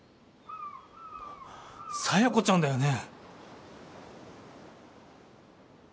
佐弥子ちゃんだよね？